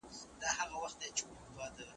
په تعلیمي ډګر کې نوښتونه هڅول کېږي.